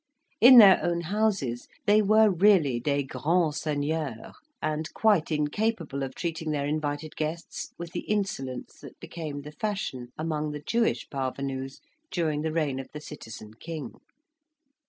In their own houses they were really des grands seigneurs, and quite incapable of treating their invited guests with the insolence that became the fashion among the Jewish parvenus during the reign of the "citizen king."